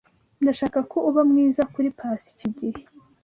Ndashaka ko uba mwiza kuri Pacy iki gihe.